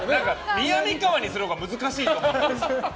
みやみかわにするほうが難しいと思うんだけど。